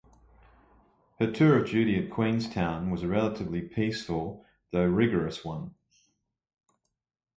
Her tour of duty at Queenstown was a relatively peaceful, though rigorous, one.